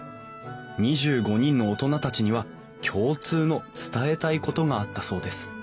２５人の大人たちには共通の伝えたいことがあったそうです